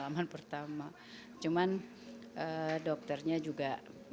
agar dia bisa berjaga